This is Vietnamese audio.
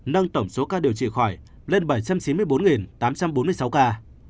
nâng tổng số ca điều trị khỏi lên bảy trăm chín mươi bốn tám trăm bốn mươi sáu ca